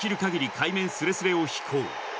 海面すれすれを飛行。